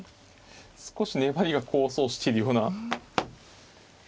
少し粘りが功を奏してるような。